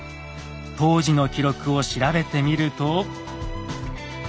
当時の記録を調べてみると。